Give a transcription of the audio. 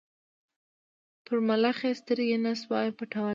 پر ملخ یې سترګي نه سوای پټولای